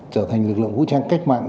trở thành lực lượng vũ trang cách mạng